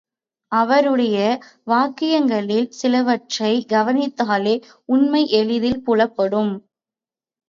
அவருடைய வாக்கியங்களில் சிலவற்றைக் கவனித்தாலே உண்மை எளிதில் புலப்படும்.